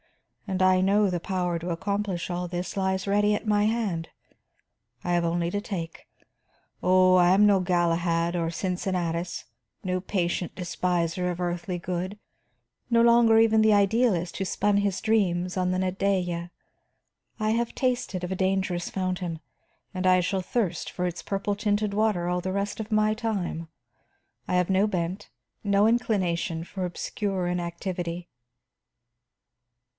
And I know the power to accomplish all this lies ready at my hand; I have only to take. Oh, I am no Galahad or Cincinnatus, no patient despiser of earthly good; no longer even the idealist who spun his dreams on the Nadeja. I have tasted of a dangerous fountain, and I shall thirst for its purple tinted water all the rest of my time. I have no bent, no inclination, for obscure inactivity."